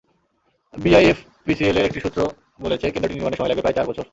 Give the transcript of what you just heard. বিআইএফপিসিএলের একটি সূত্র বলেছে, কেন্দ্রটি নির্মাণে সময় লাগবে প্রায় চার বছর।